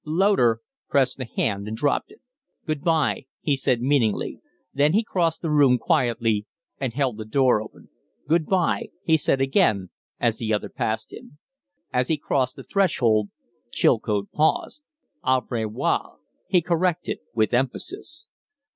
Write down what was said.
Loder pressed the hand and dropped it. "Goodbye," he said, meaningly. Then he crossed the room quietly and held the door open. "Good bye," he said again as the other passed him. As he crossed the threshold, Chilcote paused. "Au revoir," he corrected, with emphasis.